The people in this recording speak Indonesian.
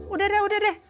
udah deh udah deh